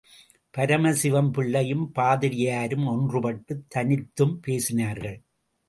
பரமசிவம் பிள்ளையும், பாதிரியாரும் ஒன்றுபட்டுத் தனித்தும் பேசினார்கள்.